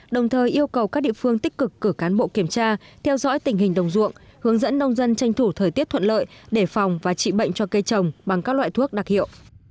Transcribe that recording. đồng thời yêu cầu các địa phương tích cực cử cán bộ kiểm tra theo dõi tình hình đồng ruộng hướng dẫn nông dân tranh thủ thời tiết thuận lợi để phòng và trị bệnh cho cây trồng bằng các loại thuốc đặc hiệu